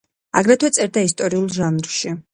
აგრეთვე წერდა ისტორიულ ჟანრში.